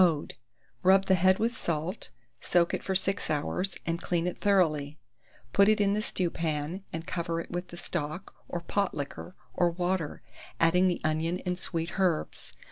Mode. Rub the head with salt, soak it for 6 hours, and clean it thoroughly; put it in the stewpan, and cover it with the stock, or pot liquor, or water, adding the onion and sweet herbs.